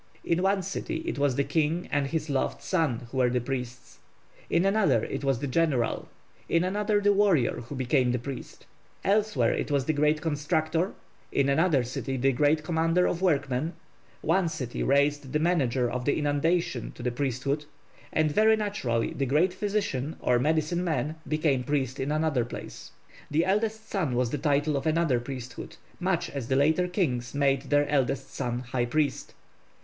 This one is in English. In one city it was the King and His Loved Son who were the priests, in another it was the General, in another the Warrior who became the priest; elsewhere it was the Great Constructor, in another city the Great Commander of Workmen; one city raised the Manager of the Inundation to the priesthood, and very naturally the Great Physician or medicine man became priest in another place. The Eldest Son was the title of another priesthood, much as the later kings made their eldest son high priest.